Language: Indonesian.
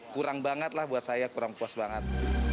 kurang banget lah buat saya kurang puas banget